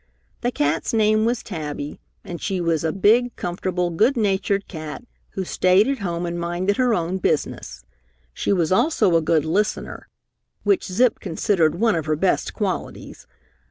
The cat's name was Tabby, and she was a big, comfortable, good natured cat who stayed at home and minded her own business. She was also a good listener, which Zip considered one of her best qualities.